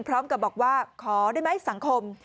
พร้อมกับบอกว่าขอได้ไหมสังคม